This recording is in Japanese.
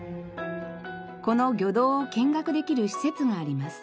この魚道を見学できる施設があります。